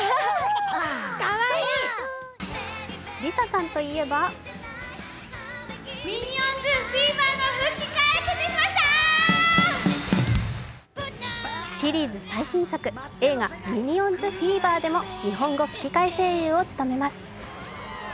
ＬｉＳＡさんといえばシリーズ最新作、映画「ミニオンズフィーバー」でも日本語吹き替え声優を務めます。